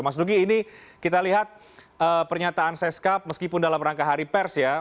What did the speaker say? mas nugi ini kita lihat pernyataan seskap meskipun dalam rangka hari pers ya